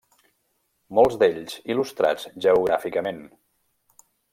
Molts d'ells, il·lustrats geogràficament.